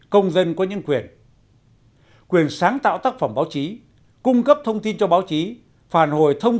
công dân có những quyền sáng tạo tác phẩm báo chí cung cấp thông tin cho báo chí phản hồi thông